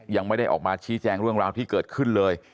ยังไม่ได้ออกมาชี้แจงเรื่องราวที่เกิดขึ้นเลย